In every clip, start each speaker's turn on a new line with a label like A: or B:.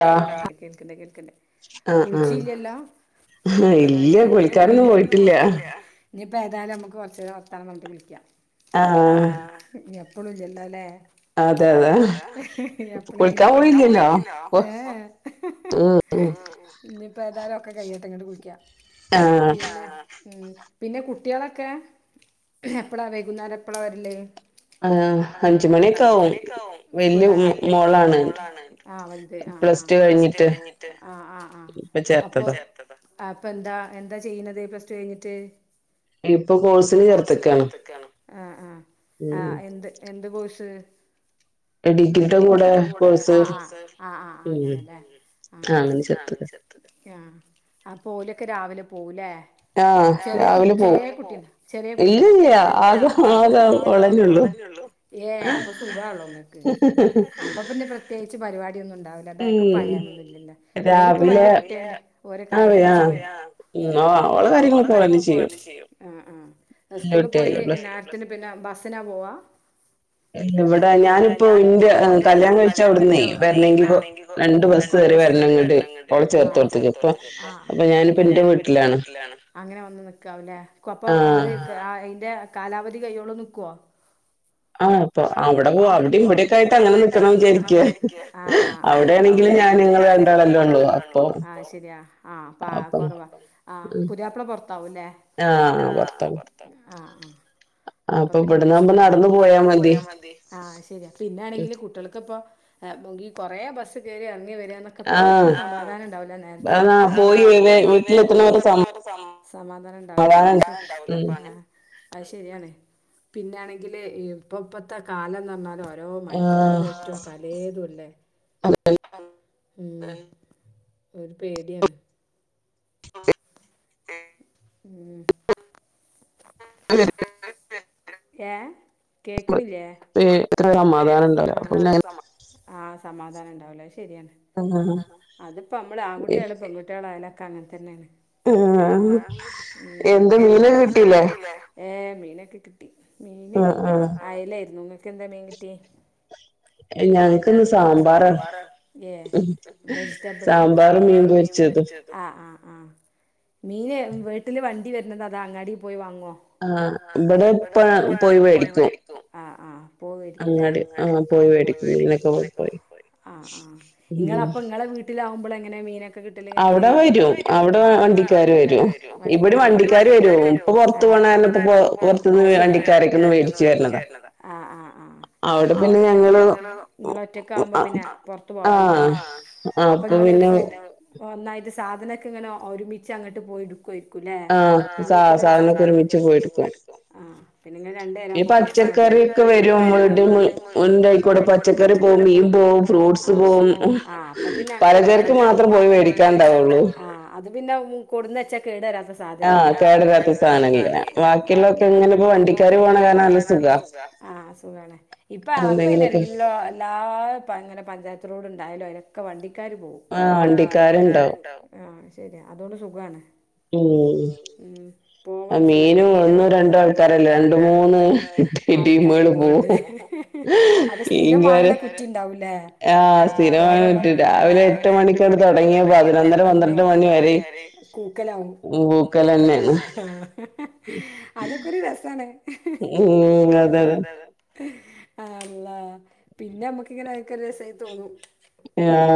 A: കേൾക്കുന്നുണ്ടാ ആഹ് കേൾക്ക്ണ്ട് കേൾക്ക്ണ്ട് കുളിച്ചില്ലല്ലോ.
B: ആഹ് ഇല്ല കുളിക്കാനൊന്നും പോയിട്ടില്ല
A: ഇനിയിപ്പോൾ ഏതായാലും നമുക്ക് കുറച്ച് നേരം വർത്താനം പറഞ്ഞിട്ട് കുളിക്കാം. ആഹ് എപ്പളും ഇല്ലല്ലോ അല്ലേ അതെ അതെ എപ്പളെങ്കിലൊക്കെ അല്ലേ കുളിക്കാൻ പോയില്ലല്ലോ.
B: [unintelligible]
A: ഇനി ഇപ്പോ ഏതായാലും ഒക്കെ കഴിയ്യട്ടേ എന്നിട്ട് കുളിക്കാം പിന്നെ ഉം പിന്നെ കുട്ടികളൊക്കെ എപ്പളാ വരുന്നത് അല്ല എപ്പളാ വരുന്നത് ആ അഞ്ച് മണിയൊക്ക ആവും സ്ക്കൂൾന് വിടാനാ [unintelligible] മോളാണ് ആഹ് ആഹ് ആഹ് ആഹ് ആഹ് പ്ലസ്‌ടു കഴിഞ്ഞിട്ട് ആഹ് ആഹ് അപ്പൊ എന്താ എന്താ ചെയ്യുന്നത് പ്ലസ്ടു കഴിഞ്ഞിട്ട് ഇപ്പം കോഴ്സിന് ചേർത്ത്ക്കാണ് ആഹ് ആഹ് ആഹ് എന്ത് എന്ത് കോഴ്സ്
B: ഡിഗ്രിയുടെ കൂടെ കോഴ്സ്
A: ആഹ് ആഹ് ആഹ് അങ്ങനെല്ലേ ആഹ് ആഹ് അപ്പൊ ഓലൊക്കെ രാവിലെ പോവും ലേ ചെറിയ കുട് ചെറിയ കുട്ടീണ്ട ചെറിയ കുട്ടീണ്ട ഇല്ലല്ല ആകെ ഒരാളെ ഉള്ളൂ. ഏഹ് അപ്പൊ സുഖാള്ളോങ്ങക്ക് അപ്പൊ പിന്നെ പ്രത്യേകിച്ച് പരിപാടിയൊന്നും ഉണ്ടാവില്ല. ബാക്കിൽ പായാനൊന്നും ഇല്ലല്ലോ. ഓരിപ്പോ വലിയ കുട്ടിയ ഓരെകാര്യങ്ങള് ചെയ്യ് ആഹ് അവളെ കാര്യങ്ങളൊക്കെ അവള്ന്നെ ചെയ്യും പിന്നെ പിന്നെ ബസ്സിനാ പോവാ
B: ഇല്ല വടെ ഞാനിപ്പോ ഇന്റെ കല്യാണം കഴിച്ച അവിടുന്നേ വരണെങ്കിഗോ രണ്ട് ബസ്സ് കേറിവരണംങ്ങട് ഓളെ ചേർത്തോട് ത്ത്ക്ക്, പ്പൊ
A: അപ്പൊ ഞാനിപ്പന്റെ വീട്ടിലാണ് അങ്ങനെ വന്ന് നിക്കാവല്ലേ കൊപ്പ അത് അയ്ന്റെ കാലാവധി കയ്യോളം നിക്കുവോ
B: ആഹ് അപ്പൊ അവിടെ പോ അവിടിം ഇവിടെക്കെ ആയിട്ട് അങ്ങനെ നിക്കണം വിചാരിക്ക്യാ
A: ആഹ് അവിടെയാണെങ്കില് ഞാൻ ഞങ്ങള് രണ്ടാളല്ലേ ഉള്ളു അപ്പോ ആഹ് ശരിയാ ആപ്പ കൊറവ ആഹ് പുതിയാപ്പള പൊർത്താവുല്ലേ
B: ആഹ് പൊർത്താണ്. അപ്പൊ ഇവട്ന്നാകുമ്പോ നടന്നു പോയാ മതി
A: അതെ ആഹ് ശരിയാ പിന്നാണെങ്കില് കുട്ടികൾക്കിപ്പോ എ ഈ കൊറേ ബസ്സ് കേറി എർങ്ങി വര് - തോക്കെപ്പോ അമ്മക്കൊരു ക സമാധാനം ണ്ടാവൂല നേരത്തിന് എത്താഞാല്, ആഹ് പോയി വരനെ, വീട്ടിലെത്ത്ണ വരെ സം സമാധാനം ണ്ടാവില്ല ആശ് അത് ശരിയാണ്, പിന്നാണെങ്കില് ഇപ്പ ഇപ്പത്തെ കാലം ന്നർഞ്ഞാല് ഓര ഓരോ മയക്കുമര്ന്നായിട്ടും പലേതുംല്ലേ
B: അതെതെ [unintelligible]
A: ഉം പിന്നെ ഒരു പേടിയാണ് ഉം [inaudible]
B: അതെെ [unintelligible]
A: ഏഹ്
B: സമാധാനം ഉണ്ടല്ലേ അപ്പൊന്ന [unintelligible]
A: ആഹ് സമാധാനണ്ടാവൂല അത് ശരിയാ, ആഹ് അതിപ്പോ നമ്മള് ആൺകുട്ട്യായാലും പെൺകുട്ട്യാളായാലും ക്കങ്ങൻ തന്നെ
B: ആഹ് എന്ത മീനൊക്കെ കിട്ടീല്ലേ
A: ഏഹ് മീനൊക്കെ കിട്ടി. മീന് അയലായിരുന്നു, ങ്ങക്കെന്താ മീൻ കിട്ടിയേ ഞങ്ക്ക്ന്ന് സാമ്പാറാണ്. ഏഹ് വെജിറ്റബിളോ സാമ്പാറും മീൻപൊരിച്ചതും ആഹ് ആഹ് ആഹ് മീന് വീട്ടില് വണ്ടി വരുന്നതോ അതാ അങ്ങാടി പോയി വാങ്ങോ ആ ബടെ പ്പ പോയിവേടിക്കും, ആഹ് ആഹ് പോയിവേടിക്കുല്ലെ, അങ്ങാടി ആഹ് പോയി വേടിക്കും, മീനൊക്കെ പൊർത് പോയി, ആഹ് ആഹ് ങ്ങളപ്പ ങ്ങളെ വീട്ടിലാവുമ്പോ എങ്ങനെ മീനൊ കിട്ടല്ങ്ങക്ക്, അവടെ വരും അവടെ വണ്ടികാര് വരും, ഇബടിം വണ്ടിക്കാരുവരും ക്കും ഇപ്പ പൊർത്തു പോണ കാരണം, പ്പ പോ പോർത്ത്ന്ന് വേണ്ടിക്കാരൊക്കൊന്ന് മേടിച്ചു വരണത ആഹ് ആഹ് ആഹ്
B: അവിടെ പിന്നെ ഞങ്
A: നി ഞങ്ങള് ങ്ങളൊറ്റക്കാകുമ്പോ പിന്നെ പൊർത്ത് പോവൽണ്ടാവൂല്ല, അപ്പൊ ങ്ങള് ഫൂ ഒന്നായിട്ട് സാധനക്കെങ്ങനെ ഒരുമിച്ച് അങ്ങട്ട് പോയി ട്ക്കുഏ ക്കുലേ.. ആഹ് വീട്ടിക്കുള്ള സാധനങ്ങള്, ആഹ് സാധനൊക്കെ ഒരുമിച്ച്പോയിട്ക്കും, ആഹ് പിന്നെങ്ങള് രണ്ടേരം
B: ഈ പച്ചക്കറിയൊക്കെ വരും വീടിന്ന്, വീടിന്റയ്
A: ന്റയ്കൂടെ പച്ചക്കറി പോവും മീൻ പോവും ഫ്രൂട്സ് പോവും ആഹ് അപ്പൊ പിന്ന അങ്ങൻത്തെ കൊയപ്പല്യ പലചരക്ക് പോ
B: പോയി വേടികാണ്ടാവൊള്ളൂ
A: ആഹ് അത് പിന്നെ കൊടന്നെച്ചാ കേടരാത്ത സാധനല്ലേ ആ കേടരാത്ത സാനല്ലേ, ബാക്കിള്ളൊക്കെങ്ങനെപ്പൊ വണ്ടിക്കാര് പോണ കാരണം നല്ല സുഖാ ആഹ് സുഗാണ്, ഇപ്പ ഇപ്പയ്നെല്ല ഇപ്പൊ എല്ലാ അങ്ങനെ പഞ്ചായത്ത് റോഡുണ്ടായാലും അയ്ലൊക്കെ വണ്ടിക്കാര് പോവും
B: ആഹ് വണ്ടിക്കാര്ണ്ടാവും
A: ആഹ് ശരിയാ അതോണ്ട് സുഖാണ്
B: ഏഹ്
A: ഉം പോവാൻ സുഖാണ് മീനും ഒന്നും രണ്ടും ആൾക്കാരല്ലേ രണ്ട് മൂന്ന് ആൾക്കാര് അപ്പം സ്ഥിരം വാങ്ങ്ണ കുറ്റിണ്ടാവു ലേ ആഹ് [unintelligible] രാവിലെ എട്ട് മണി തുടങ്ങിയപ്പോ പതിനൊന്നര പന്ത്രണ്ട് മണി വരെ കൂക്കലാവും ഉം കൂക്കെലെന്നെ അതൊക്കൊര് രസാണ് ഉം അതെ അതെ അള്ളാഹ് പിന്നെ നമ്മക്കിങ്ങനെ അതോക്കൊര് രസായി തോന്നും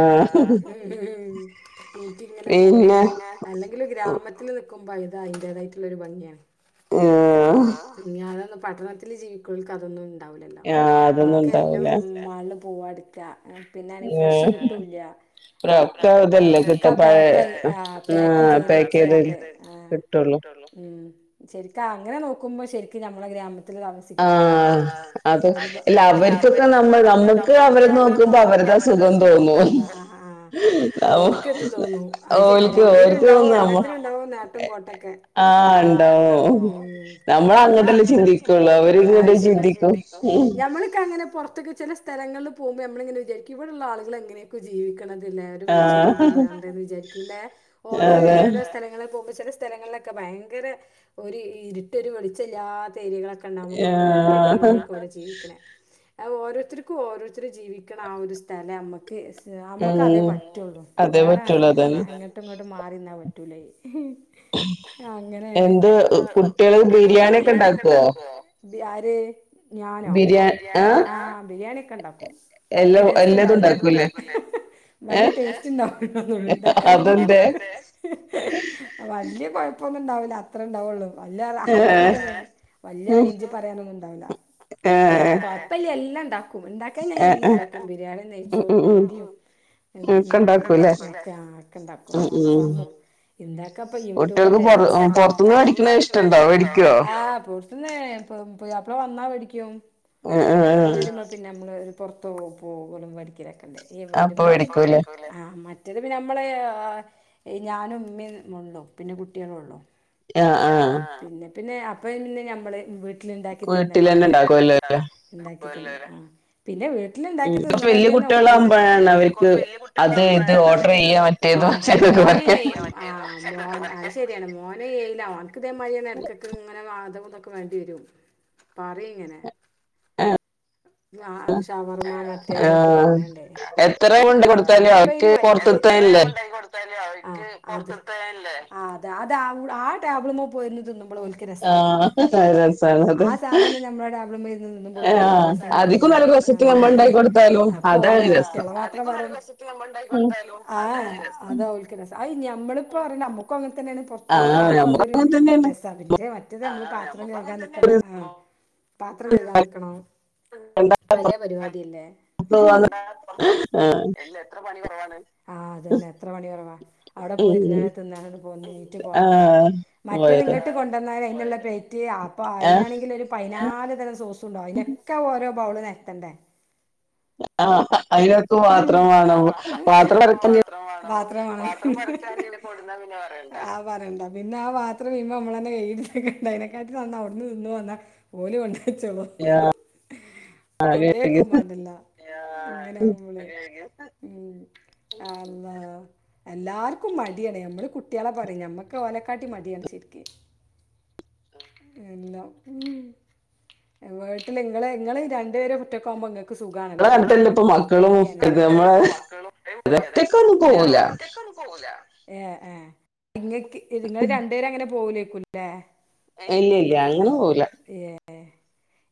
A: ആഹ് ഇൻക്ക്ങ്ങനെ പോണം പിന്നെ അല്ലെങ്കിലും ഗ്രാമത്തില് നിക്കുമ്പോ അത് അയിന്റേതായിട്ടുള്ളൊരു ഭംഗിയാണ് ആഹ് ഞാനൊന്നും പട്ടണത്തില് ജീവികണോൽക്ക് അതൊന്നും ഉണ്ടാവുലല്ലോ ഓല്ക്ക് എല്ലോം മാൾ പോവാ എട്ക്ക പിന്നാണെ ഫ്രഷ് കിട്ടൂല്ല ആഹ് ഒക്കത് പേക്കായി ആഹ് പേക്ക് ചെയ്ത് വെച്ച്ക്കാണ്ട് ആഹ് കിട്ടോള്ളൂ ഉം ശെരിക്ക് അങ്ങനെ നോക്കുമ്പോ ശെരിക്ക് ഞമ്മളെ ഗ്രാമത്തില് താമസിക്ക്ണെന്നെ അത് എല്ല അവർക്കൊക്കെ നമ്മ നമ്മുക്ക് അവരേ നോക്കുമ്പോ അവര്താ സുഖം തോന്നും ഉം ആഹ് ആഹ് അവര്ക്കിതും തോന്നും അത് ശരിയാ രണ്ടിനും ഇണ്ടാവു എല്ലാത്തിനും ഇണ്ടാവും നേട്ടും കോട്ടൊക്കെ
B: ആഹ് ഇണ്ടാവും നമ്മള് അങ്ങട്ടല്ലേ ചിന്തി ക്കൊള്ളൂ അവരിങ്ങോട്ടു ചിന്തിക്കും ഉം
A: നമ്മളൊക്ക്ങ്ങനെ പൊറത്ത്ക്ക് ചെലേ സ്ഥലങ്ങള്ല് പോവുമ്പോ നമ്മളിങ്ങനെ വിചാരിക്കും ഇവിടെള്ള ആള്കള് എങ്ങനെയൊക്കെ ജീവിക്ക്ണെ എല്ലാവരും വെളിച്ചോന്നു ഇതോന്നുല്ലാണ്ട് വിചാരിക്കുംലേ ഓരോ ഏതോ സ്ഥലങ്ങളി പോവുമ്പോ ചെല സ്ഥ സ്ഥലങ്ങളിലൊക്കെ ഭയങ്കര ഒരു ഇര്ട്ടൊരു വെളിച്ചല്ലാത്ത ഏരിയകളാ ക്കെണ്ടാവുമ്പങ്ങനെ തോന്നും ഇവരോക്കെങ്ങനെ ഇപ്പവടെ ജീവി അത് ഓരോരുത്തർക്കും ഓരോരുത്തെര് ജീവിക്ക്ണ ആ ഒരു സ്ഥലം നമ്മക്ക് നമ്മക്ക് അതേ പറ്റൊള്ളു വേറെ അങ്ങട്ടും ഇങ്ങട്ടും മാറിന്നാ പറ്റൂലത് അങ്ങനെയാണ് എന്ത് കുട്ട്യേള് ബിരിയാണിയൊക്കെ ഇണ്ടാക്കൊ ബി ആര് ഞാനോ ആഹ് ബിരിയാണിയൊക്കെ ഇണ്ടാക്കും വല്ല്യ ടേസ്റ്റ് ഇണ്ടാവൂലാന്നോള്ളൂ വല്ല്യ ടേസ്റ്റ് ഇണ്ടാവൂലാന്നോള്ളു ഇണ്ടാക്കാനോക്കെ ഇണ്ടാക്കും വല്ല്യ കൊഴപ്പൊന്നുണ്ടാവൂല അത്ര ഇണ്ടാവൊള്ളൂ വല്ല ഹൈപ്പ് ഇട്ട വല്ല്യ റേഞ്ച് പറയാനൊന്നുണ്ടാവൂല കൊഴപ്പല്ല എല്ലം ഇണ്ടാക്കും ഇണ്ടാക്കാൻ ഞാന് എല്ലും ഇണ്ടാക്കും ബിരിയാണിം നെയ്ച്ചോറും മന്തിയും ഒക്കെ ഇണ്ടാക്കും [unintelligible] ലേ ആഹ് ഒക്കെണ്ടാകും ഇണ്ടാക്കാൻപ്പം യൂട്യൂബാണ്ട് അടിച്ചാതി. കുട്ട്യേൾക്ക് പൊറ്ത്ത്ന്ന് വേടിക്ക്ണത് ഇഷ്ട്ടണ്ടോ വേടിക്ക്ണെ ആഹ് പൊർ ത്ത്ന്ന് ഇപ്പൊ പുയ്യാപ്പള വന്നാ വേടിക്കും
B: ഏഹ്
A: അവര് വരുമ്പോ പിന്നെ നമ്മള് പൊറ്ത്ത് പോവും പോവ്വലും മേടിക്കലൊക്കെണ്ട് ഈ വരുമ്പോ പിന്നെ ആഹ് മറ്റേത് പിന്നെ നമ്മള് ഏ ഏ ഞാനും ഇമ്മീം ഒള്ളു പിന്നെ കുട്ട്യേളും ഒള്ളു ആഹ് ആഹ് പിന്നെ പിന്നെ അപ്പ പിന്നെ ഞമ്മള് വീട്ടില്ണ്ടാക്കി തിന്നലെന്നെ വീട്ട്ലെന്നെ ഇണ്ടാ ഇണ്ടാക്കി തിന്നും ഉം പിന്നെ വീട്ടില് ഇണ്ടാക്കി തിന്ന്ണതിന് ഒക്കൂലട്ടാ നമ്മളീ പൊറത്ത് ഇതില് കൊറ്ച്ച് വെല്ല്യ കുട്ട്യേളാകുമ്പോഴാണ് അവര്ക്ക് ആഹ് അതെ മോന് ആഹ് [unintelligible] ശരിയാണ് മോൻ ഏഴ്ലാ ഓന്ക്ക് ഇതേമായിരിന്നെ എട്ക്കെട്ക് ഇങ്ങനെ വാതം ഇതൊ ക്ക് മടി വെരും പറിം ഇങ്ങനെ
B: ഏഹ്
A: ആഹ് അത് ഷവർമാ മറ്റേത് ഇന്നൊക്കെ പർണാണ്ട് അഹ് ആഹ് ഇപ്പ അയിന് വൽത് ഇത്രെ ഞാം കൊണ്ടോയ് കൊട് തന്നെ ആഹ് അവര്ക്ക് ആഹ് ശെരി പൊർത്ത്ത്തെ തന്നെ അല്ലെ ആഹ് അതെ അതാ ആ ടേബിൾമ്മെ പോയി ഇര്ന്ന് തിന്നുമ്പെൾ ഓൽക്ക് ക്ക് രസാ ആ സാധനം ഞമ്മളെ ടേബിൾമ്മെ ഇര്ന്ന് തി ഓര്ക്ക് അത്ര രസം കിട്ടൂലാ അപ്പ ഓലെ കുറ്റം കാര്ണം ആഹ് അതിന്റെ ഒര് റെസിപി നമ്മൾ ഇണ്ടാക്കി കൊട്ത്താൽ ആഹ് ഏഹ് അതാ ഓൽക്ക് രസം അഹ് ഞമ്മളിപ്പോ പറിണെ ഞമ്മക്കും അങ്ങൻതെന്നെയാണ് പൊർ എന്തോ അപ്പ അതൊരു രസാ പിറ്റേ മറ്റെത് അതൊര് നമ്മളും ഇപ്പ അങ്ങൻ തന്നെ നിക്കാണ് ആഹ് പാത്രം കൈകാൻ നിക്ക് ക്കണോ പലേ പരിപാടി അല്ലെ എത്ര പണി കൊറവാണ് ആഹ് അതെന്നെ എത്ര പണി കൊറവാ അവ്ടെ പോയി ഇര്ന്നാണ്ട് തിന്നാണ്ട് പോന്ന് നീറ്റ് പോന്നാ പോരെ മറ്റേത് ഇങ്ങെട്ട് കൊൺ ണ്ടെന്നാലെയ് അയിന് ഇള്ള പ്ലെറ്റ് അപ്പം അയിനാണെങ്കിൽ ഒര് പയിനാല് തരം സോസും ഇണ്ടാവും അയിനൊക്കെ ഓരോ ബൗൾ നെര്ത്തണ്ടെ?
B: ആഹ് അയിനൊക്കെ പാത്രം വാണം പാത്രം നെര്ത്തും ചെയ്യും
A: പാത്രം വാണം പാത്രം വാണം പാത്രം [unintelligible] കൊട്ന്നാന്നൊന്നും പിന്നെ പറെണ്ട ആഹ് പറെണ്ട പിന്നെ ആ പാത്ര ത്രം നമ്മളെന്നെ കഴ്കി ഇട്ത്ത് വെക്കെണ്ടെര അയിനക്കാട്ടിലും നന്ന് അവ്ട്ന്ന് തിന്ന് പോന്നാ ഓൽ കൊണ്ടോ വെച്ചോളും കൊണ്ടോയ് വെക്കും മാണ്ടല്ലോ ആഹ് അങ്ങനെ ആവു അങ്ങനെയൊക്കെ ഉം അള്ളാ എല്ലാര്ക്കും മടിയാണ് നമ്മൾ കുട്ടിയാളെ പറിം ഞമ്മക്ക് ഓലെക്കാട്ടിം മടിയാണ് ശര്ക്ക് എല്ലാം ഉം വീട്ടിൽ ഇങ്ങെൾ രണ്ട് പേര് ഒറ്റക്ക് ആകുമ്പോ ഇങ്ങെക്ക് സുഖാണല്ലോ പൊർത്ത്
B: മക്കളും ഇത് നമ്മളെ ഒറ്റക്ക് ഒന്നും പോവുലാ
A: വൂലാ. ഏഹ് ഏഹ് ഇങ്ങെക്ക് ഇങ്ങെൾ രണ്ടു പേരും അങ്ങനെ പോകുലെക്കും ലെ ഏഹ് ഇല്ല ഇല്ല അങ്ങനെ പോവുലാ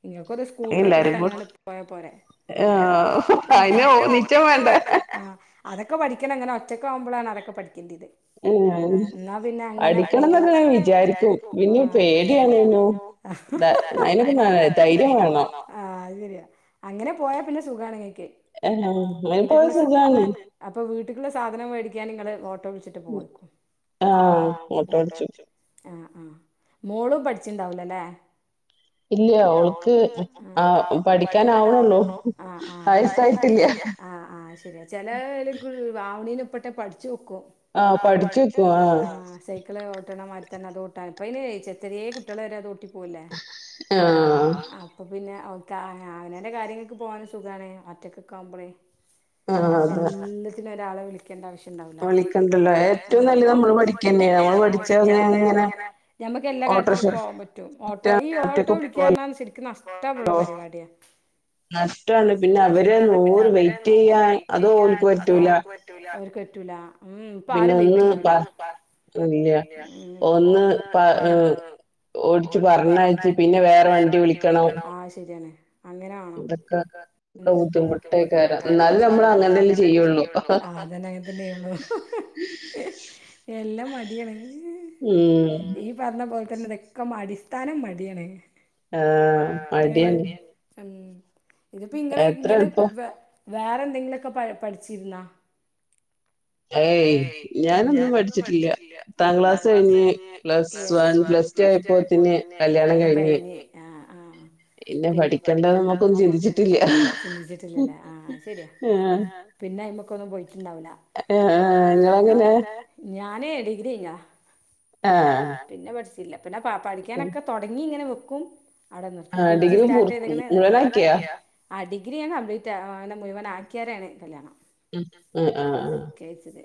A: ഇങ്ങക്കൊര് സ്കൂട്ടെർ ഒക്കെ [unintelligible] പോയാ പോരെ ആഹ് അയിന് ഓഹ് നിച്ചം വേണ്ടെ? അതൊക്കെ പഠിക്കെണം ഇങ്ങനെ ഒറ്റെക്ക് ആവുമ്പളാണ് അതൊക്കെ പഠിക്കേണ്ടേത്
B: [unintelligible] പഠിക്കെണം എന്നൊക്കെ ഞാൻ വിചാരിക്കും നു പേടിയാണെയ്നു ധൈ അയിനൊക്കെ വാണം ധൈര്യം വേണം
A: ആഹ് അഹ് ശരിയാ അങ്ങനെ പോയാ പിന്നെ സുഖാണ് ഇങ്ങെക്ക്
B: ഏഹ് ആഹ് ഇങ്ങനെ പോയ സുഖാണ്
A: അപ്പം വീട്ട്ക്ക് ഇള്ള സാധനം വേടിക്കാൻ ഇങ്ങെൾ ഓട്ടോ വിൾച്ച് ട്ട് പോവെയ്ക്കും ആഹ് ഓട്ടോ വിൾച്ചും മോളും പഠിച്ച് ഇണ്ടാവൂലലെ
B: ഇല്ല ഓൾക്ക് ആഹ് പഠിക്കാൻ ആവ്ണൊള്ളു വയസ്സായിട്ട് ഇല്ല
A: ട്ട് ഇല്ലാ ആഹ് ആഹ് ശരിയാ ചെലോര് ഗുൾ ആവ്ണെയ്ന്പ്പട്ടെ പഠിച്ച് വെക്കും
B: ആഹ് പഠിച്ച് വെക്കും ആഹ്
A: സൈക്കെൾ ഓട്ടണമാരി തന്നെ അത് ഓട്ടാന് ഇപ്പ അയിനെയ് ചെറ് ചെറെ കുട്ടിയാൾ വെരെ അത് ഓട്ടി പോവുലെ ആഹ് അപ്പ പിന്നെ ഒക്കെ അവ അവനാന്റെ കാര്യങ്ങക്ക് പോകാൻ സുഖാണ് ഒറ്റെക്ക് ഒക്കെ ആവുമ്പളെയ് ആഹ് ആഹ് എല്ലത്തിനും ഒരാളെ വിളി ആവശ്യം ഉണ്ടാവില്ല ഏറ്റവും നല്ല നമ്മ പഠിക്കന്നെയാ പഠിച്ചാ ഇങ്ങനെ ഞമ്മക്ക് എല്ലാ കാര്യത്തിലും പോവാൻ പറ്റും ഓട്ടോ ഈ ഓട്ടോ വിളിക്കാ പറഞ്ഞാ ശരിക്ക് നഷ്ടൊള്ള പരിപാടിയാ
B: നഷ്ടണ്ട് പിന്നെ അവരെ നൂറ് വെയിറ്റ് ചെയ്യാൻ അത് ഓല്ക്ക് പറ്റൂല
A: അവര്ക്ക് പറ്റൂല്ല ഇപ്പൊ ആരും വെയിറ്റ് ചെയ്യൂല അല്ലിയ ഒന്ന് [unintelligible] ഓടിച്ച് പറഞ്ഞയച്ച് പിന്നെ വേറെ വണ്ടി വിളിക്കണം
B: എന്തൊക്കെ
A: [unintelligible] ചെയ്യുള്ളൂ അതന്ന അങ്ങനതന്നെള്ളു എല്ലാം മടിയാണ് മ്ം ഈ പറഞ്ഞ പോലെ തന്നെ ഇതൊക്കെ അടിസ്ഥാനം മടിയാണ്
B: ആഹ് മടിയാണ്
A: ഉം ഇതിപ്പ ഇങ്ങെ ഇങ്ങള് വേറെ എന്തെങ്കിലുമൊക്കെ പഠിച്ചിരുന്നാ
B: ഏയ് ഞാനൊന്നും പഠിച്ചിട്ടില്ല പത്താം ക്ലാസ് കഴിഞ്ഞ് plus one plus
A: plus two ആയപ്പോൾ തന്നെ കല്യാണം കഴിഞ്ഞ് പിന്നെ പഠിക്കണ്ട നമ്മുക്കൊന്നും ചിന്തിച്ചിട്ടില്ല ചിന്തിച്ചിട്ടില്ലല്ലേ ആഹ് ശരിയാ പിന്നെ അത്മ്മക്കൊന്നും പോയിട്ടുണ്ടാവില്ല ഞാനേ ഡിഗ്രിഞ്ഞാ ആ പിന്നെ പഠിച്ചില്ല പിന്നെ പഠിക്കാനൊക്കെ തുടങ്ങി ഇങ്ങനെ വെക്കും അവിടെ നിർത്ത് പി ജി സ്റ്റാർട്ട് ചെയ്തേക്ക്ന്നാണ് ആ ഡിഗ്രി ഞാൻ കപ്ലീറ്റ് മുഴുവൻ ആക്കിയാരെയാണ് കല്യാണം
B: ഉം ആഹ് ആ
A: കേച്ചത്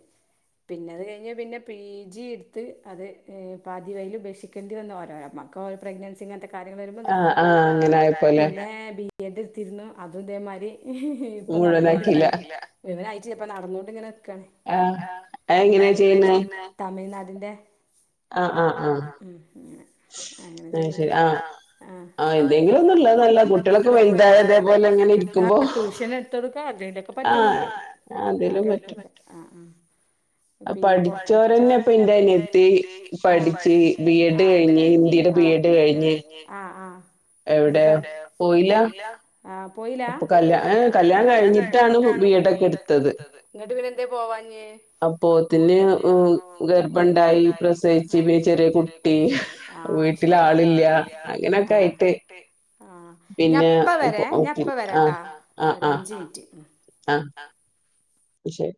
A: പിന്നെ അത് കഴിഞ്ഞ് പിന്നെ പി ജി എടുത്ത് അത് പാതിവഴിയിൽ ഉപേക്ഷിക്കേണ്ടി വന്ന് ഓരോരമ്മക്ക് പ്രഗ്നൻസി അങ്ങനത്തെ കാര്യങ്ങൾ വരുമ്പോ നിർത്ത പിന്നെ ബി എഡ് എടുത്തിരുന്നു അതും ഇതേമാരി ഇപ്പൊ നടന്നോണ്ട്ക്കാണ് വിവനായിട്ട് ഇപ്പ നടന്നോണ്ട് ഇങ്ങനെ നിക്കാണെ
B: ആഹ് അത് എങ്ങനെയാ ചെയ്യുന്നെ
A: തമിഴ്നാടിൻ്റെ ആ ആഹ് ആ ഉം ഉ [unintelligible] ആ എന്തെങ്കിലും ഒന്നുള്ള നല്ലതാ കുട്ടികളൊക്കെ വലുതായാ ഇതേലെങ്ങ ആ ട്യൂഷൻ എടുത്തടുക്ക അതിടൊക്കെ പറ്റുവമ്മക്ക്
B: അതിലും പറ്റും
A: ആഹ് ആ പിന്നെ പഠിച്ചോരന്നെ പ്പ ന്റ അനിയത്തി
B: പഠിച്ച് ബി എഡ് കഴിഞ്ഞ് ഹിന്ദിയുടെ ബി എഡ് കഴിഞ്ഞ്
A: ആഹ് ആഹ് എടുക്കണ്ട പോയില്ല ആ പോയില്ല അ കല് കല്യാണം കഴിഞ്ഞിട്ടാണ് വീടൊക്കെ എടുത്തത് എന്നിട്ട് ഇവര് എന്താ പോവാഞ്ഞേ
B: അപ്പോത്തിന് ഗർഭണ്ടായി പ്രസവിച്ച്
A: ച്ച ചെറിയ കുട്ടി വീട്ടിലാളില്ല അങ്ങനെയൊക്കെ ആയിട്ട്
B: പിന്നെ ആഹ് ആ ആഹ്
A: സ്പോട്ടി ആ
B: ആഹ് പക്ഷെ